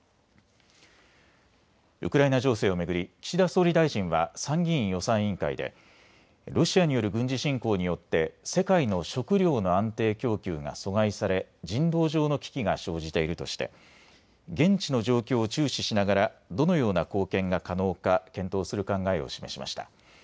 ウクライナ情勢を巡り岸田総理大臣は参議院予算委員会でロシアによる軍事侵攻によって世界の食糧の安定供給が阻害され人道上の危機が生じているとして現地の状況を注視しながらどのような貢献が可能か検討する考えを示しました。